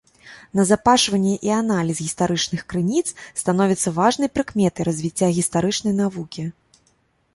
Назапашванне і аналіз гістарычных крыніц становіцца важнай прыкметай развіцця гістарычнай навукі.